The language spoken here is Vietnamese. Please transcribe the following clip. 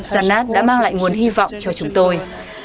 zanad đã mang lại nguồn hy vọng cho chúng tôi